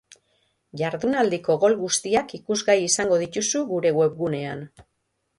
Jardunaldiko gol guztiak ikusgai izango dituzu gure webgunean.